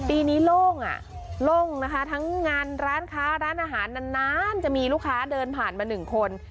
ปีนี้โล่งอ่ะโล่งนะคะทั้งงานร้านค้าร้านอาหารนานจะมีลูกค้าเดินผ่านมาหนึ่งคน